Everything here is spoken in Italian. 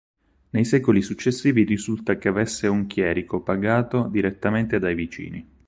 Nei secoli successivi risulta che avesse un chierico pagato direttamente dai vicini.